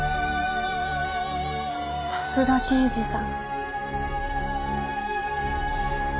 さすが刑事さん。